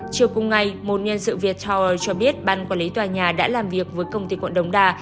chiều cùng ngày một nhân sự việt tower cho biết ban quản lý tòa nhà đã làm việc với công ty quận đống đà